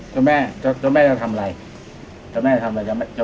เจ้าแม่เจ้าแม่จะทำอะไรเจ้าแม่จะทำอะไรเจ้าแม่เจ้า